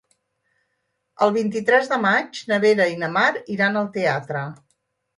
El vint-i-tres de maig na Vera i na Mar iran al teatre.